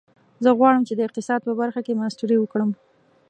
زه غواړم چې د اقتصاد په برخه کې ماسټري وکړم